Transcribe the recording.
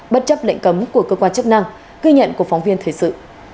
bất chấp lệnh cấm của cơ quan chức năng ghi nhận của phóng viên thời sự